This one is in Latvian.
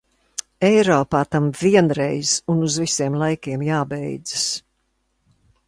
Eiropā tam vienreiz un uz visiem laikiem jābeidzas!